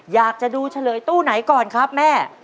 อยากจะดูเฉลยตู้ไหนก่อนครับแม่